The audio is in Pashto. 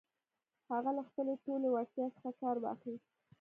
هغه له خپلې ټولې وړتيا څخه کار واخيست.